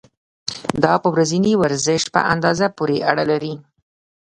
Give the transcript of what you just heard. دا په ورځني ورزش په اندازې پورې اړه لري.